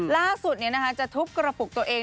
ล่าสุดเนี่ยนะคะจะทุบกระปุกตัวเอง